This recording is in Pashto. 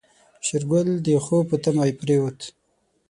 شېرګل د خوب په تمه پرېوت.